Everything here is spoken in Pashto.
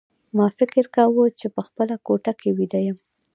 ما فکر کاوه چې په خپله کوټه کې ویده یم